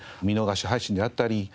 見逃し配信であったり